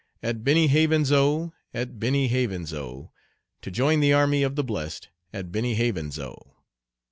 At Benny Havens' O, at Benny Havens' O, To join the army of the blest at Benny Havens' O.